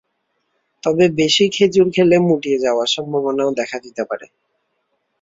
তবে বেশি খেজুর খেলে মুটিয়ে যাওয়ার সম্ভাবনাও দেখা দিতে পারে।